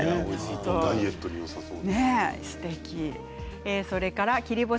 ダイエットによさそう。